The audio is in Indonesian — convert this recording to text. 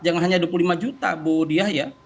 jangan hanya dua puluh lima juta boh dia ya